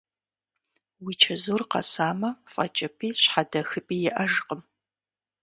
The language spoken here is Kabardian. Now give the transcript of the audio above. Уи чэзур къэсамэ, фӀэкӀыпӀи щхьэдэхыпӀи иӀэжкъым…